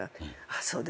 そうですか。